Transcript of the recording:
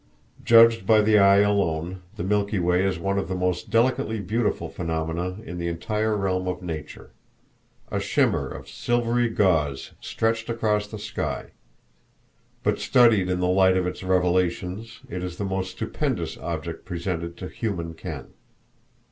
Judged by the eye alone, the Milky Way is one of the most delicately beautiful phenomena in the entire realm of nature—a shimmer of silvery gauze stretched across the sky; but studied in the light of its revelations, it is the most stupendous object presented to human ken.